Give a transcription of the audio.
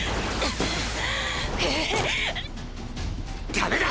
ダメだ！